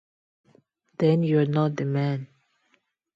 Then you're not the man.